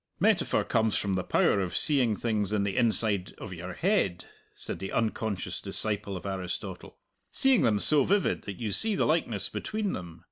"Metaphor comes from the power of seeing things in the inside of your head," said the unconscious disciple of Aristotle "seeing them so vivid that you see the likeness between them.